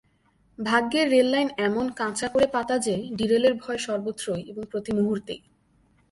ভাগ্যের রেল-লাইন এমন কাঁচা করে পাতা যে, ডিরেলের ভয় সর্বত্রই এবং প্রতি মুহূর্তেই!